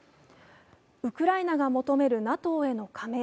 ウクライナが求めるＮＡＴＯへの加盟。